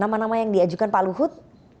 nama nama yang diajukan pak luhut